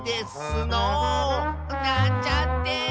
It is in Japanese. なんちゃって。